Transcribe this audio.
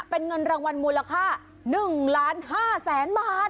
เป็นเงินรางวัลมูลค่า๑ล้าน๕แสนบาท